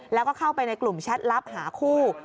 แล้วก็เข้าไปในกลุ่มแชทลับหาคู่